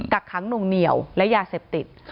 กักขังหนุ่งเหนียวและยาเสพติด